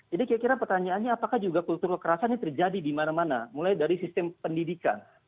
jadi kira kira pertanyaannya apakah juga kultur kekerasan ini terjadi di mana mana mulai dari sistem pendidikan